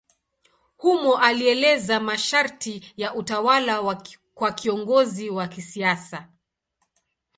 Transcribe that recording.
Humo alieleza masharti ya utawala kwa kiongozi wa kisiasa.